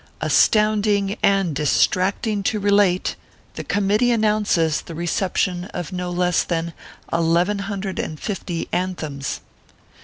Astounding and distracting to relate, the committee announces the reception of no less than eleven hundred and fifty " anthems"